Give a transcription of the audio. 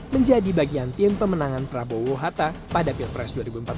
menjadi bagian tim pemenangan prabowo hatta pada pilpres dua ribu empat belas